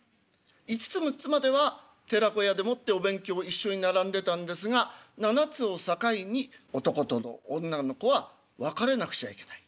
５つ６つまでは寺子屋でもってお勉強一緒に並んでたんですが７つを境に男の子女の子は分かれなくちゃいけない。